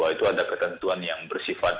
itu ada ketentuan yang bersifat